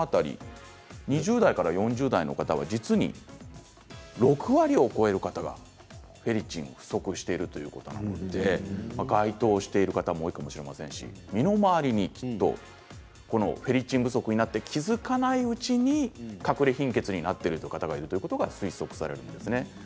２０代から４０代の方は実に６割を超える方がフェリチンが不足しているということなので該当している方も多いかもしれませんし身の回りにきっとこのフェリチン不足になって気付かないうちにかくれ貧血になっている方がいるということが推測されるんですね。